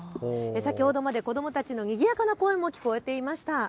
先ほどまで子どもたちのにぎやかな声も聞こえていました。